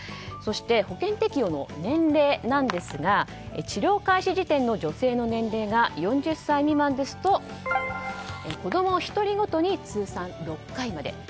そして、保険適用の年齢ですが治療開始時点の女性の年齢が４０歳未満ですと子供１人ごとに通算６回まで。